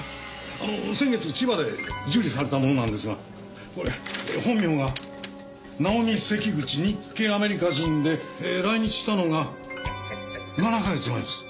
あの先月千葉で受理されたものなんですがこれ本名がナオミ・セキグチ日系アメリカ人で来日したのが７か月前です。